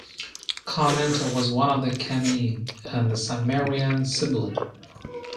Carmenta was one of the Camenae, and the Cimmerian Sibyl.